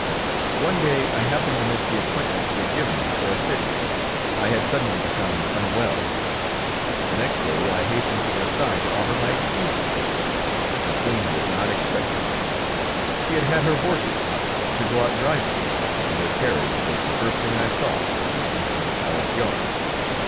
One day I happened to miss the appointment she had given me for a sitting; I had suddenly become unwell. The next day I hastened to Versailles to offer my excuses. The Queen was not expecting me; she had had her horses harnessed to go out driving, and her carriage was the first thing I saw on entering the palace yard.